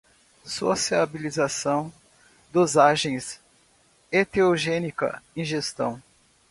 sociabilização, dosagens, enteogênica, ingestão